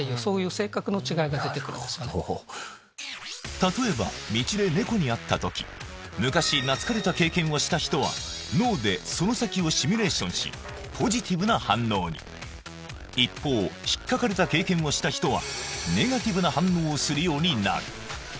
例えば道で猫に合った時昔懐かれた経験をした人は脳でその先をシミュレーションしポジティブな反応に一方引っかかれた経験をした人はネガティブな反応をするようになる